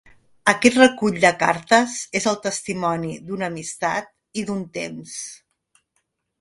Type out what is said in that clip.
Aquest recull de cartes és el testimoni d’una amistat i d’un temps.